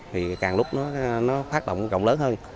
thì càng lúc nó phát động gọng lớn hơn